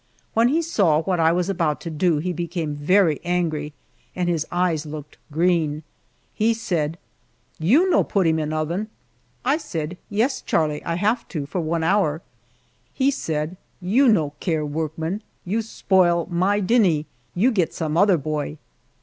When he saw what I was about to do he became very angry and his eyes looked green. He said, "You no put him in l'oven." I said, "Yes, Charlie, I have to for one hour." He said, "You no care workman, you sploil my dee nee, you get some other boy."